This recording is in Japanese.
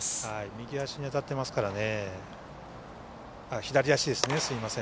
左足に当たってますからね。